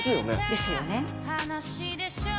ですよね。ね？